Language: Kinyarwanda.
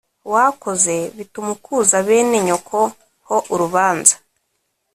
wakoze bituma ukuza bene nyoko ho urubanza